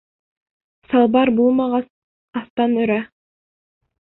Салбар булмағас, аҫтан өрә.